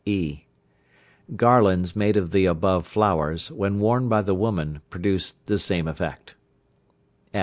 (e). Garlands made of the above flowers, when worn by the woman, produce the same effect.